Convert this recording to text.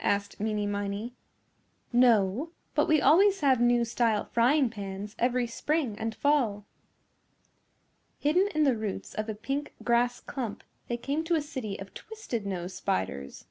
asked Meeney Miney. "No, but we always have new style frying pans every spring and fall." Hidden in the roots of a pink grass clump, they came to a city of twisted nose spiders.